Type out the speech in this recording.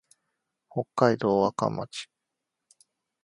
北海道和寒町